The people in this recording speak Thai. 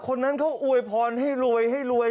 คนนั้นเขาอวยพรให้รวยให้รวย